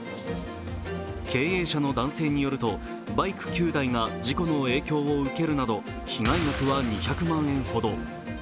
経営者の男性によると、バイク９台が事故の影響を受けるなど被害額は２００万円ほど。